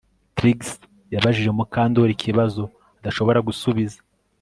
Trix yabajije Mukandoli ikibazo adashobora gusubiza